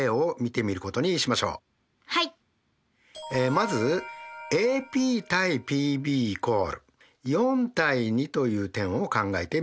まずＡＰ：ＰＢ＝４：２という点を考えてみましょう。